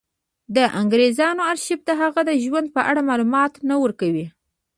د انګرېزانو ارشیف د هغه د ژوند په اړه معلومات نه ورکوي.